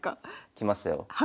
きましたよ。